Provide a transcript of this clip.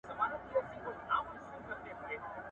پسله گوزه، چار زانو ناسته؟